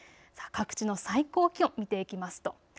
各地の最高気温を見ていきますと